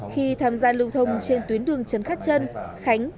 khi tham gia lưu thông trên tuyến đường trấn khắc trân